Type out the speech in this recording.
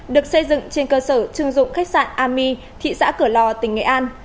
được xây dựng trên cơ sở chưng dụng khách sạn ami thị xã cửa lò tỉnh nghệ an